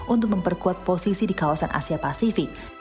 untuk memperkuat posisi di kawasan asia pasifik